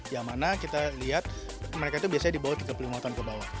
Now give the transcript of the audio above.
yang mana kita lihat mereka itu biasanya di bawah tiga puluh lima tahun ke bawah